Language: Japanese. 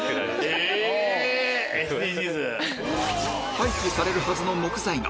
廃棄されるはずの木材が